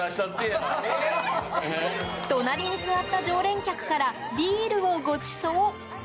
隣に座った常連客からビールをごちそう。